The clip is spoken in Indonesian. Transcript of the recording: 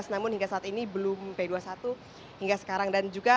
namun hingga saat ini belum b dua puluh satu hingga sekarang